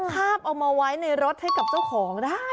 คาบเอามาไว้ในรถให้กับเจ้าของได้